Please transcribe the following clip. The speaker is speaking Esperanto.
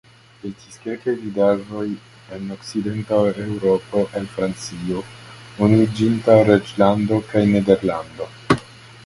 Estis kelkaj vidaĵoj en Okcidenta Eŭropo el Francio, Unuiĝinta Reĝlando kaj Nederlando.